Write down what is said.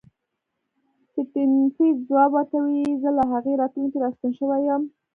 سټېفنس ځواب ورکوي زه له هغې راتلونکې راستون شوی یم